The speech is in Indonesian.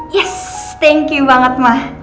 yes thank you banget ma